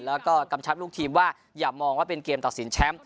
แล้วก็กำชับลูกทีมว่าอย่ามองว่าเป็นเกมตัดสินแชมป์